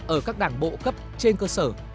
ở các đảng bộ cấp trên cơ sở